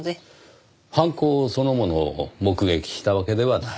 犯行そのものを目撃したわけではない？